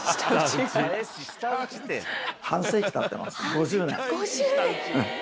５０年。